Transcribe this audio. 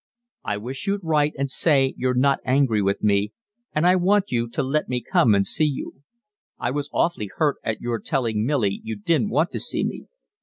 I wish you'd write and say you're not angry with me, and I want you to let me come and see you. I was awfully hurt at your telling Milly you didn't want to see me.